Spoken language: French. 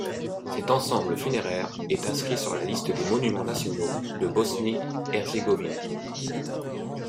Cet ensemble funéraire est inscrit sur la liste des monuments nationaux de Bosnie-Herzégovine.